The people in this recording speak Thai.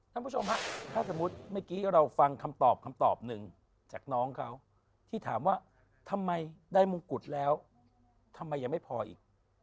ท่านผู้ชมฮะถ้าสมมุติเมื่อกี้เราฟังคำตอบคำตอบหนึ่งจากน้องเขาที่ถามว่าทำไมได้มงกุฎแล้วทำไมยังไม่พออีก